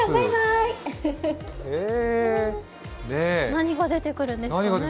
何が出てくるんですかね。